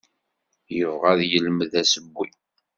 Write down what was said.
Yebɣa ad yelmed assewwi.